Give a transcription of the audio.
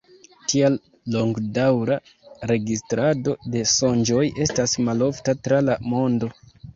Tia longdaŭra registrado de sonĝoj estas malofta tra la mondo.